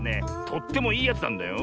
とってもいいやつなんだよ。